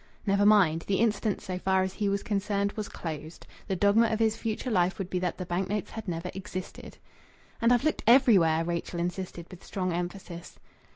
Never mind! The incident, so far as he was concerned, was closed. The dogma of his future life would be that the bank notes had never existed. "And I've looked ev'rywhere!" Rachel insisted with strong emphasis.